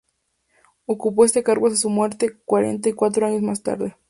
Ocupó este cargo hasta su muerte, cuarenta y cuatro años más tarde.